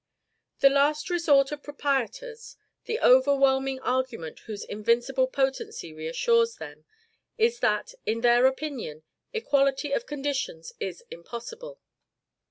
The last resort of proprietors, the overwhelming argument whose invincible potency reassures them, is that, in their opinion, equality of conditions is impossible.